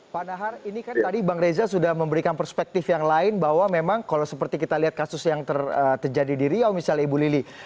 pak nahar ini kan tadi bang reza sudah memberikan perspektif yang lain bahwa memang kalau seperti kita lihat kasus yang terjadi di riau misalnya ibu lili